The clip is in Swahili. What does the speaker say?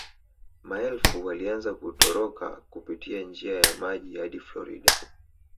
Maelfu walianza kutoroka kupitia njia ya maji hadi Florida